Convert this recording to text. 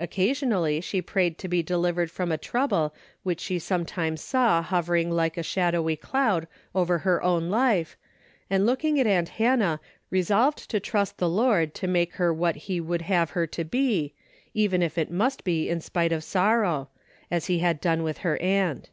Occasionally she prayed to be delivered from a trouble which she sometimes saw hovering like a shadowy cloud over her own life, and looking at aunt Hannah resolved to trust the Lord to make her what he would have her to be, even if it A DAILY RATE:^ 315 must be in spite of sorrow, as be had done with her aunt.